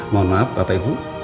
mohon maaf bapak ibu